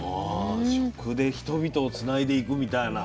食で人々をつないでいくみたいな。